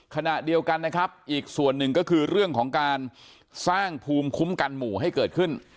ขณะเดียวกันนะครับอีกส่วนหนึ่งก็คือเรื่องของการสร้างภูมิคุ้มกันหมู่ให้เกิดขึ้น